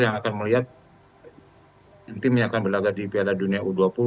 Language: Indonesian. yang akan melihat tim yang akan berlagak di piala dunia u dua puluh